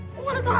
kok gak ada salah